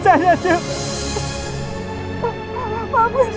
saya tidak bisa sembunyi cik